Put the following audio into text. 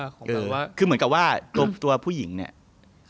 คือเหมือนกับว่าตัวผู้หญิงเนี่ย